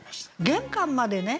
玄関までね